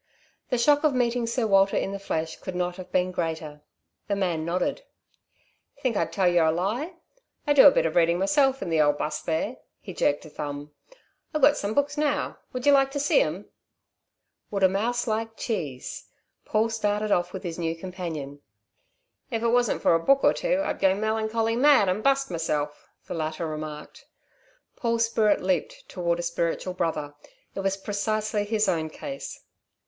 The shock of meeting Sir Walter in the flesh could not have been greater. The man nodded. "Think I'd tell yer a lie? I do a bit of reading myself in the old 'bus there" he jerked a thumb "I've got some books now. Would yer like to see 'em?" Would a mouse like cheese? Paul started off with his new companion. "If it wasn't for a book or two, I'd go melancholy mad and bust myself," the latter remarked. Paul's spirit leaped toward a spiritual brother. It was precisely his own case.